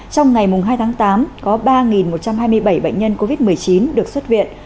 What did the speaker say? trong ngày hai tháng tám có ba một trăm hai mươi bảy bệnh nhân covid một mươi chín được xuất viện